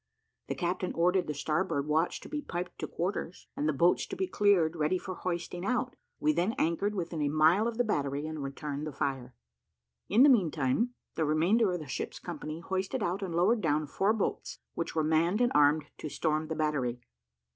The captain ordered the starboard watch to be piped to quarters, and the boats to be cleared, ready for hoisting out; we then anchored within a mile of the battery, and returned the fire. In the meantime, the remainder of the ship's company hoisted out and lowered down four boats, which were manned and armed to storm the battery.